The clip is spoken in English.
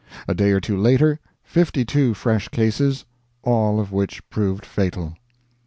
A day or two later, "52 fresh cases, all of which proved fatal."